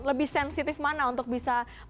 lebih sensitif mana untuk bisa